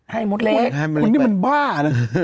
มดเล็กคุณนี่มันบ้านะ